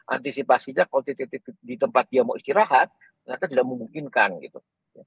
antisipasinya kalau di tempat dia mau istirahat mereka tidak memungkinkan gitu